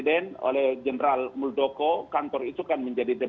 karena kami juga melakukan mengundang kemudian bicarakan dengan para cerdik pandemi